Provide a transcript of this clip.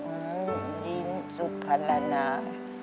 อืมยินสุภารณา